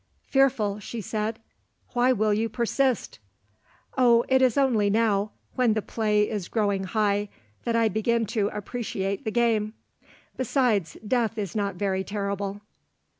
"Fearful!" she said. "Why will you persist?" "Oh, it is only now, when the play is growing high, that I begin to appreciate the game. Besides, death is not very terrible."